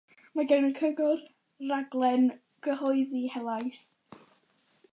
Mae gan y Cyngor raglen gyhoeddi helaeth.